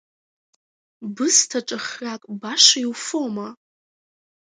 Бысҭа ҿахрак баша иуфома?!